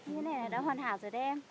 như thế này là đã hoàn hảo rồi đấy em